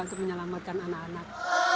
aku menyelamatkan anak anak